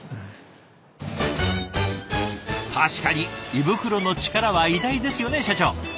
胃袋の力は偉大ですよね社長。